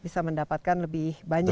bisa mendapatkan lebih banyak